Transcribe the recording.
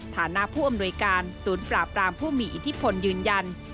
ฐานะผู้อำนวยการศูนย์ปราบรามผู้มีอิทธิพลยืนยัน